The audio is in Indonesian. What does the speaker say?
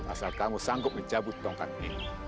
asalkan kamu sanggup mencabut tongkat itu